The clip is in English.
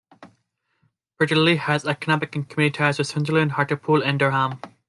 Peterlee has economic and community ties with Sunderland, Hartlepool and Durham.